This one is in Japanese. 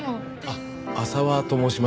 あっ浅輪と申します。